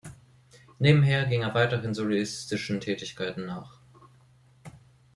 Nebenher ging er weiterhin solistischen Tätigkeiten nach.